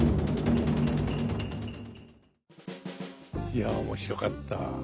いや面白かった。